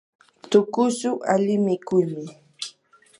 tuqushu ali mikuymi.